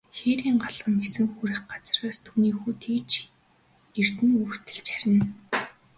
Хээрийн галуу нисэн үл хүрэх газраас, хүний хүү тэгж эрдэнэ өвөртөлж харина.